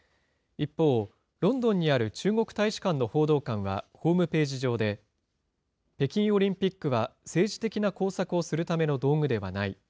一方、ロンドンにある中国大使館の報道官はホームページ上で、北京オリンピックは政治的な工作をするための道具ではない。